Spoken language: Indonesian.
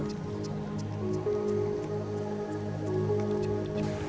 namun keterbatasan personil dan alat membuat upaya perlindungan kawasan bahari masih jauh dari ideal